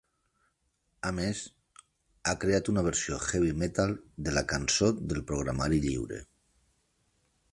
A més, ha creat una versió heavy metal de la Cançó del Programari Lliure.